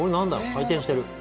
回転してる。